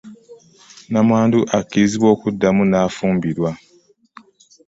Namwandu akkirizibwa okuddamu n'afumbirwa.